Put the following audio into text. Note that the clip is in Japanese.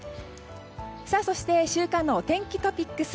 そして週間のお天気トピックス。